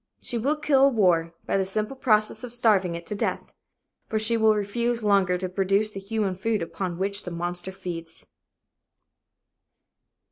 She will kill war by the simple process of starving it to death. For she will refuse longer to produce the human food upon which the monster feeds.